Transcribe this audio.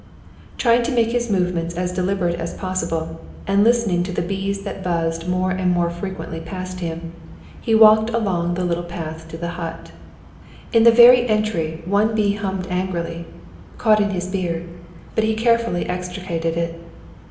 Trying to make his movements as deliberate as possible, and listening to the bees that buzzed more and more frequently past him, he walked along the little path to the hut. In the very entry one bee hummed angrily, caught in his beard, but he carefully extricated it.